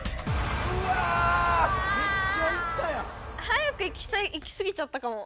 はやく行きすぎちゃったかも。